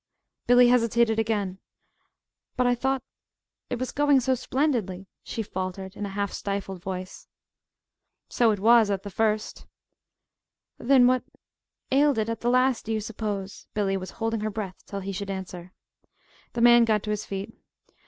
Billy hesitated again. "But I thought it was going so splendidly," she faltered, in a half stifled voice. "So it was at the first." "Then what ailed it, at the last, do you suppose?" Billy was holding her breath till he should answer. The man got to his feet.